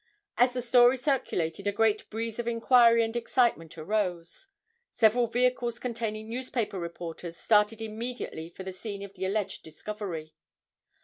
As the story circulated a great breeze of inquiry and excitement arose. Several vehicles containing newspaper reporters, started immediately for the scene of the alleged discovery.